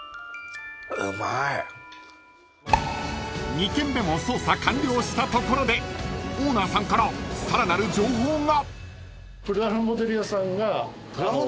［２軒目も捜査完了したところでオーナーさんからさらなる情報が］